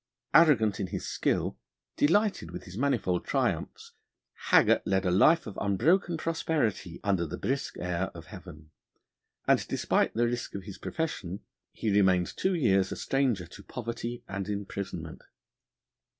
Arrogant in his skill, delighted with his manifold triumphs, Haggart led a life of unbroken prosperity under the brisk air of heaven, and, despite the risk of his profession, he remained two years a stranger to poverty and imprisonment.